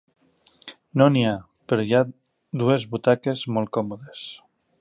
No n'hi ha, però hi ha dues butaques molt còmodes.